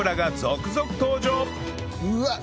うわっ！